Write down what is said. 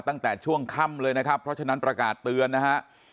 ตั้งแต่ช่วงค่ำเลยนะครับเพราะฉะนั้นประกาศเตือนนะฮะ